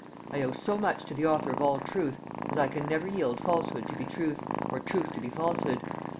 I owe so much to the author of all truth, as I can never yield falsehood to be truth, or truth to be falsehood.